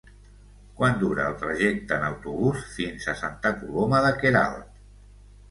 Quant dura el trajecte en autobús fins a Santa Coloma de Queralt?